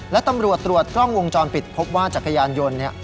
และตำรวจตรวจกล้องวงจรปิดพบว่าจักรยานยนต์